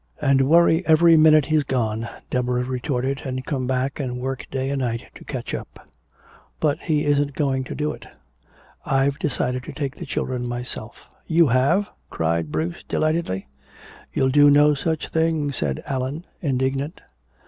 "And worry every minute he's gone," Deborah retorted, "and come back and work day and night to catch up. But he isn't going to do it. I've decided to take the children myself." "You have?" cried Bruce delightedly. "You'll do no such thing," said Allan, indignant.